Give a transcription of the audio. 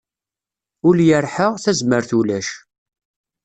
Ul yerḥa, tazmert ulac.